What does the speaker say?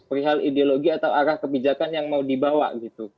perihal ideologi atau arah kebijakan yang mau dibawa gitu